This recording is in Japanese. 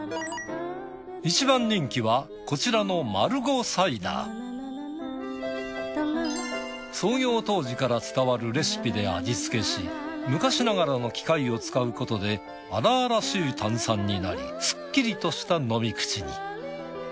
一番人気はこちらの創業当時から伝わるレシピで味付けし昔ながらの機械を使うことで荒々しい炭酸になりスッキリとした飲み口に。